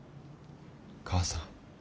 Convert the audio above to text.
母さん。